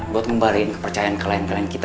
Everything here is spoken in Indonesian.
buat ngembalikan kepercayaan klien klien kita